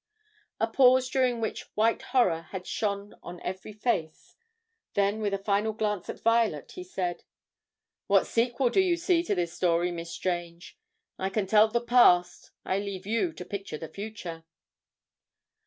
A pause during which white horror had shone on every face; then with a final glance at Violet, he said: "What sequel do you see to this story, Miss Strange? I can tell the past, I leave you to picture the future."